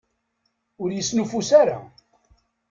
Ur yesnuffus ara!